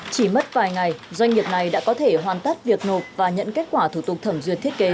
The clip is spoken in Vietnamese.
chỉ mất vài ngày doanh nghiệp này đã có thể hoàn tất việc nộp và nhận kết quả thủ tục thẩm duyệt thiết kế